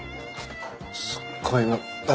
すっごい。